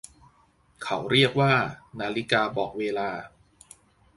เขาเรียกว่านาฬิกาบอกเวลา